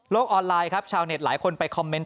ออนไลน์ครับชาวเน็ตหลายคนไปคอมเมนต